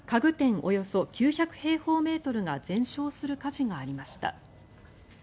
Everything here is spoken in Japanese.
およそ９００平方メートルが全焼する火事がありました。